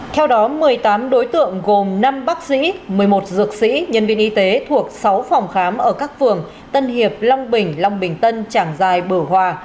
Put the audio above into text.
theo đó một mươi tám đối tượng gồm năm bác sĩ một mươi một dược sĩ nhân viên y tế thuộc sáu phòng khám ở các phường tân hiệp long bình long bình tân trảng dài bửu hòa